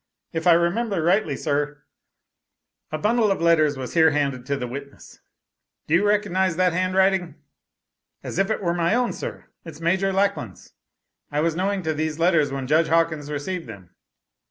If I remember rightly, sir" A bundle of letters was here handed to the witness. "Do you recognize, that hand writing?" "As if it was my own, sir. It's Major Lackland's. I was knowing to these letters when Judge Hawkins received them.